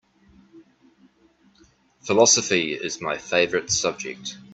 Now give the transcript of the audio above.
Philosophy is my favorite subject.